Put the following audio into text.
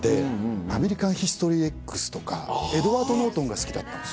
『アメリカン・ヒストリーＸ』とかエドワード・ノートンが好きだったんですよ。